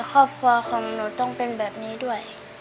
ครอบครัวของหนูต้องเป็นแบบนี้ด้วย